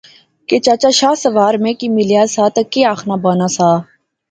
کہ چچا شاہ سوار میں کی ملیا سا تہ کہہ آخنا بانا سا